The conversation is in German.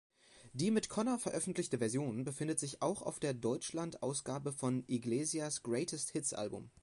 Die mit Connor veröffentlichte Version befindet sich auch auf der Deutschland-Ausgabe von Iglesias’ Greatest-Hits-Album.